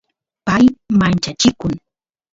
pay manchachikun